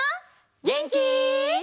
げんき？